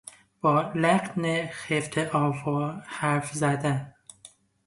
با لحن خفتآور حرف زدن